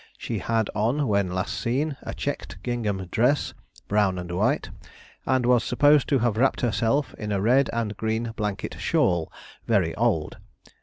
She had on when last seen a checked gingham dress, brown and white, and was supposed to have wrapped herself in a red and green blanket shawl, very old.